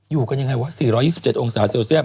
อยู่กันยังไงวะ๔๒๗องศาเซลเซียต